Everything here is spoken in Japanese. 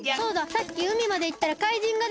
さっきうみまでいったら怪人がでて！